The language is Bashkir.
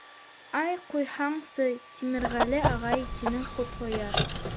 — Ай, ҡуйһаңсы, Тимерғәле ағай, — тине Ҡотлояр.